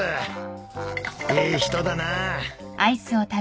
いい人だな。